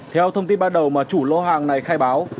theo thông tin ban đầu mà chủ lô hàng này khai báo